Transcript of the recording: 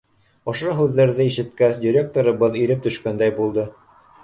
— Ошо һүҙҙәрҙе ишеткәс, директорыбыҙ иреп төшкәндәй булды.